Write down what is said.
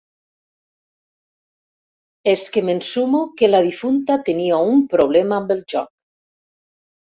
És que m'ensumo que la difunta tenia un problema amb el joc.